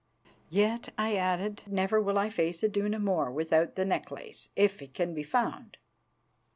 "Yet," I added, "never will I face Iduna more without the necklace, if it can be found."